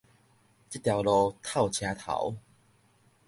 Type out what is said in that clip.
這條路透車頭